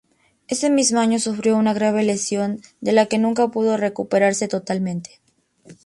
Ese mismo año sufrió una grave lesión de la que nunca pudo recuperarse totalmente.